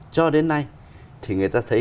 cho đến nay thì người ta thấy